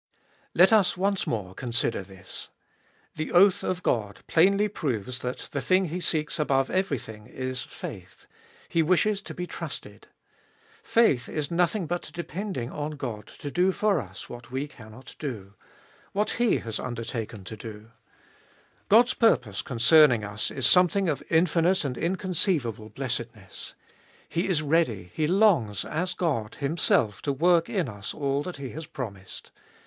Let us once more consider this. The oath of God plainly proves that the thing He seeks above everything is — faith ; He wishes to be trusted. Faith is nothing but depending on God to do for us what we cannot do — what He has undertaken 1 Mediated. 220 tTbe Iboliest of 2111 to do. God's purpose concerning us is something of infinite and inconceivable blessedness. He is ready, He longs, as God, Him self to work in us all that He has promised.